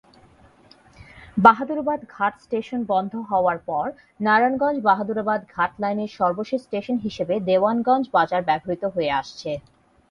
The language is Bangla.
বাহাদুরাবাদ ঘাট স্টেশন বন্ধ হওয়ার পর নারায়ণগঞ্জ-বাহাদুরাবাদ ঘাট লাইনের সর্বশেষ স্টেশন হিসেবে দেওয়ানগঞ্জ বাজার ব্যবহৃত হয়ে আসছে।